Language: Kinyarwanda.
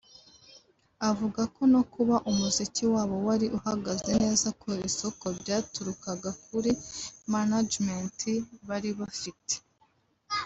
Avuga ko no kuba umuziki wabo wari uhagaze neza ku isoko byaturukaga kuri Management bari bafite